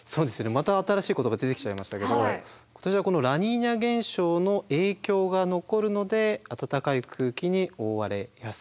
また新しいことが出てきちゃいましたけど今年はラニーニャ現象の影響が残るので暖かい空気に覆われやすいと。